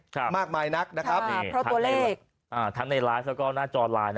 คุณผู้ชมคงอะเจลแอลกอฮอล์ซะ